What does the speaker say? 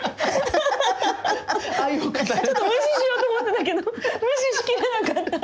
ちょっと無視しようと思ってたけど無視しきれなかった。